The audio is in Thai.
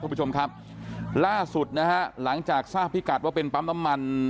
คุณผู้ชมครับล่าสุดนะฮะหลังจากทราบพิกัดว่าเป็นปั๊มน้ำมัน